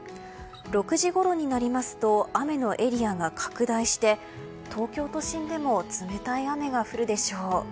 ６時ごろになりますと雨のエリアが拡大して東京都心でも冷たい雨が降るでしょう。